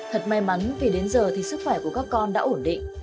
thật may mắn vì đến giờ thì sức khỏe của các con đã ổn định